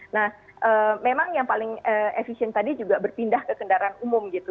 nah memang yang paling efisien tadi juga berpindah ke kendaraan umum gitu